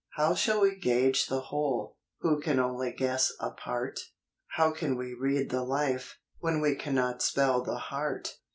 How shall we gauge the whole, who can only guess a part ? How can we read the life, when we cannot spell the heart